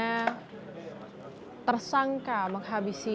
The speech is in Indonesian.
kita bisa melihat kelas kelas yang diperlukan untuk menjaga kekuasaan